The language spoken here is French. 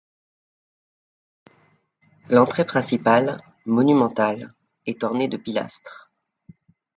L'entrée principale, monumentale, est ornée de pilastres.